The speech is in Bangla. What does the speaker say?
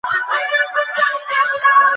ও সেটা জিজ্ঞেস করেনি!